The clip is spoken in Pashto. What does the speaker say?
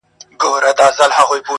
o زما خوله كي شپېلۍ اشنا.